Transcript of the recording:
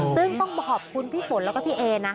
ซึ่งต้องบอกว่าขอบคุณพี่ฝนและพี่เอนะ